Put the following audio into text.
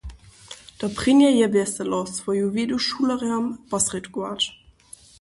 To prěnje je wjeselo, swoju wědu šulerjam posrědkować.